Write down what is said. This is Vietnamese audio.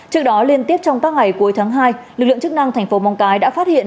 trước đó liên tiếp trong các ngày cuối tháng hai lực lượng chức năng thành phố móng cái đã phát hiện